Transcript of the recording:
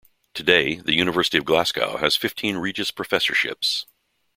Today, the University of Glasgow has fifteen Regius Professorships.